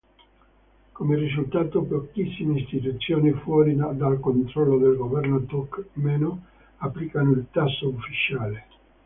Come risultato pochissime istituzioni fuori dal controllo del Governo turkmeno applicano il tasso ufficiale.